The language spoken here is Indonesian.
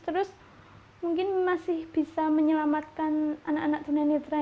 terus mungkin masih bisa menyelamatkan anak anak tunanetra